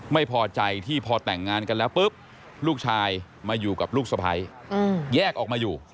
ไม่พอใจที่พอแต่งงานกันแล้วปุ๊บลูกชายมาอยู่กับลูกสะพ้ายแยกออกมาอยู่